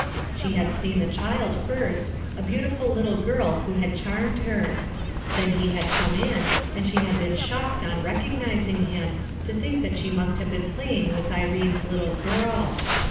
She had seen the chUd first, a beautiful little girl who had charmed her; then he had conic in and she had been shocked on recognizing him, to think that she must have been playing with Irene's Hale girl.